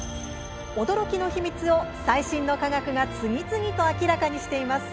驚きの秘密を最新の科学が次々と明らかにしています。